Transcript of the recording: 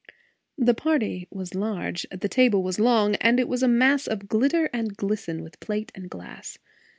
The party was large, the table was long; and it was a mass of glitter and glisten with plate and glass.